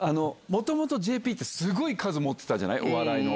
もともとＪＰってすごい数、持ってたじゃない、お笑いの。